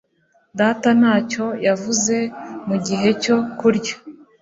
Data ntacyo yavuze mugihe cyo kurya.